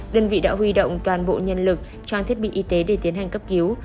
đơn vị đã huy động toàn bộ nhân lực trang thiết bị y tế để tiến hành cấp cứu